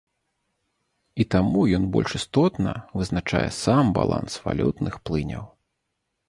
І таму ён больш істотна вызначае сам баланс валютных плыняў.